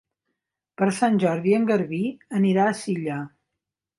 Per Sant Jordi en Garbí anirà a Silla.